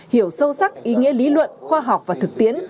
hiểu sâu sắc ý nghĩa lý luận khoa học và thực tiễn